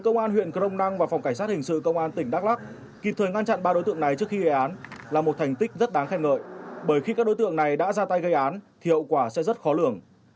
công an huyện crong năng và phòng cảnh sát hình sự công an tỉnh đắk lắc kịp thời ngăn chặn ba đối tượng này trước khi gây án là một thành tích rất đáng khen ngợi bởi khi các đối tượng này đã ra tay gây án thì hậu quả sẽ rất khó lường